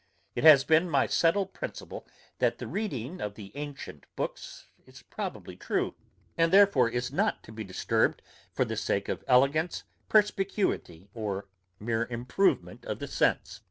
It has been my settled principle, that the reading of the ancient books is probably true, and therefore is not to be disturbed for the sake of elegance, perspicuity, or mere improvement of the sense.